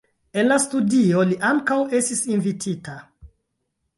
En la studio li ankaŭ estis invitita.